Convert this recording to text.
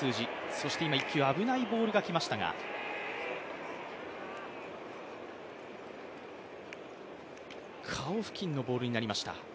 そして今１球、危ないボールがきましたが顔付近のボールになりました。